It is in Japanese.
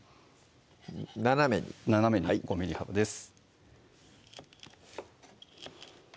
斜めに斜めに５ｍｍ幅です